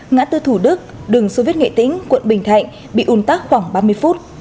ngã tư thủ đức đường sô viết nghệ tĩnh quận bình thạnh bị ủn tắc khoảng ba mươi phút